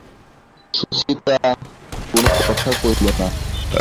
সুচরিতা কোনো কথা কহিল না।